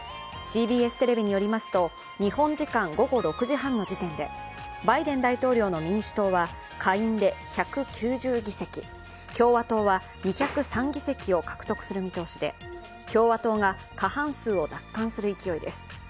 ＣＢＳテレビによりますと、日本時間午後６時半の時点でバイデン大統領の民主党は下院で１９０議席、共和党は２０３議席を獲得する見通しで共和党が過半数を奪還する勢いです。